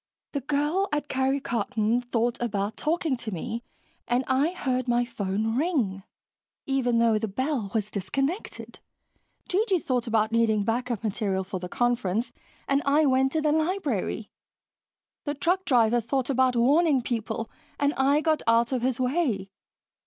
"The girl at Karry Karton thought about talking to me, and I heard my phone ring, even though the bell was disconnected. G.G. thought about needing backup material for the conference and I went to the library. The truck driver thought about warning people and I got out of his way.